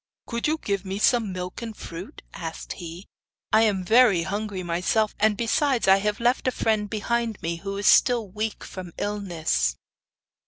'Could you give me some milk and fruit?' asked he. 'I am very hungry myself, and, besides, I have left a friend behind me who is still weak from illness.